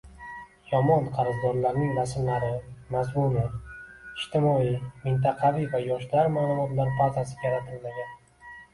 Yomon qarzdorlarning rasmlari, mazmuni, ijtimoiy, mintaqaviy va yoshlar ma'lumotlar bazasi yaratilmagan